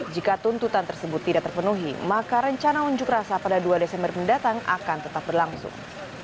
jika tuntutan tersebut tidak terpenuhi maka rencana unjuk rasa pada dua desember mendatang akan tetap berlangsung